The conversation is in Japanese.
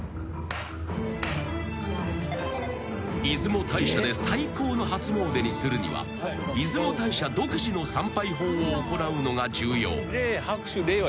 ［出雲大社で最高の初詣にするには出雲大社独自の参拝法を行うのが重要］